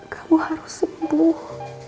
kamu harus sembuh